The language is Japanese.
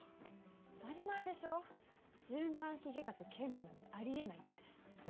当たり前でしょ循環器外科と兼務なんてありえないってね